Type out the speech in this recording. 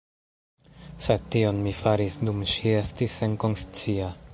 Sed tion mi faris, dum ŝi estis senkonscia.